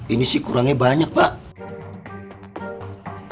ini sih kurangnya banyak pak